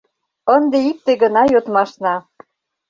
Ынде икте гына йодмашна!